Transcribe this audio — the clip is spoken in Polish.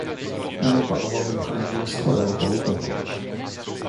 Umowa o wolnym handlu z Koreą Południową